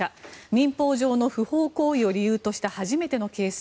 民法上の不法行為を理由とした初めてのケース。